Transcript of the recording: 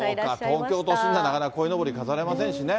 そっか、東京都心では、なかなかこいのぼり飾れませんしね。